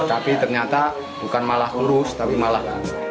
tapi ternyata bukan malah lurus tapi malah